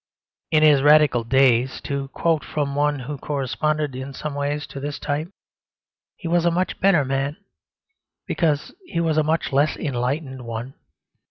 In his Radical days (to quote from one who corresponded in some ways to this type) he was a much better man, because he was a much less enlightened one.